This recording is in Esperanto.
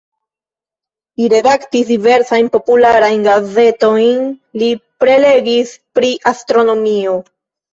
Li redaktis diversajn popularajn gazetojn, li prelegis pri astronomio.